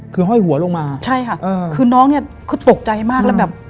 คือห้อยหัวลงมาใช่ค่ะเออคือน้องเนี้ยคือตกใจมากแล้วแบบ